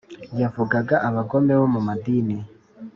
Yavugaga abagome bo mu madini.